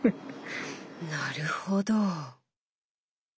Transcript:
なるほど。